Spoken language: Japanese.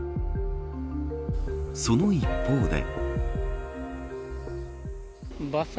その一方で。